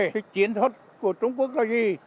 thì chiến thuật của trung quốc là gì